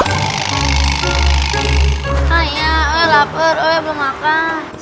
saya belum makan